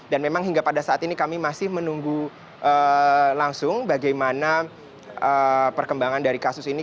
dan memang hingga pada saat ini kami masih menunggu langsung bagaimana perkembangan dari kasus ini